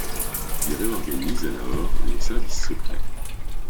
Il réorganise alors les services secrets.